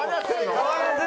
変わらず？